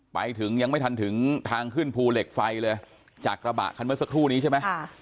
ไปถึงยังไม่ทันถึงทางขึ้นภูเหล็กไฟเลยจากกระบะคันเมื่อสักครู่นี้ใช่ไหม